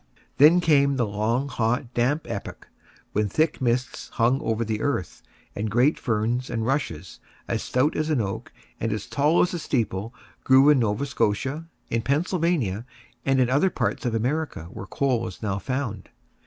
Then came the long, hot, damp epoch, when thick mists hung over the earth, and great ferns and rushes, as stout as an oak and as tall as a steeple, grew in Nova Scotia, in Pennsylvania, and in other parts of America where coal is now found.